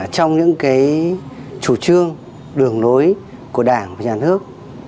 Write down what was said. trong những chủ trương đường lối của đảng và nhà nước